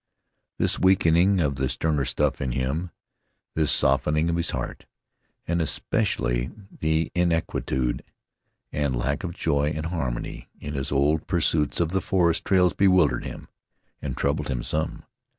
This weakening of the sterner stuff in him; this softening of his heart, and especially the inquietude, and lack of joy and harmony in his old pursuits of the forest trails bewildered him, and troubled him some.